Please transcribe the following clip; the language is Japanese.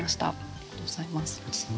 ありがとうございます。